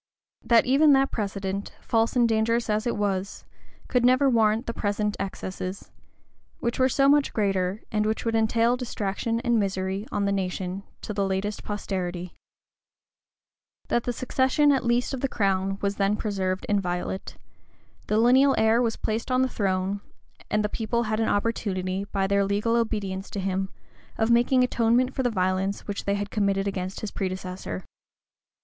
That even that precedent, false and dangerous as it was, could never warrant the present excesses; which were so much greater, and which would entail distraction and misery on the nation, to the latest posterity. That the succession, at least, of the crown, was then preserved inviolate: the lineal heir was placed on the throne; and the people had an opportunity, by their legal obedience to him, of making atonement for the violence which they had committed against his predecessor.